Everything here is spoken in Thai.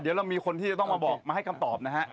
เดี๋ยวเรามีคนที่จะต้องมาบอกมาให้คำตอบนะฮะ